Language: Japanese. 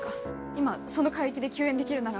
今その海域で救援できるなら。